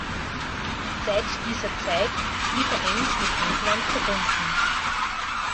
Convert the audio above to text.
Seit dieser Zeit blieb er eng mit England verbunden.